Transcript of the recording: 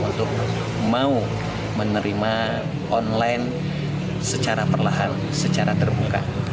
untuk mau menerima online secara perlahan secara terbuka